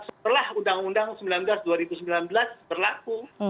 setelah undang undang sembilan belas dua ribu sembilan belas berlaku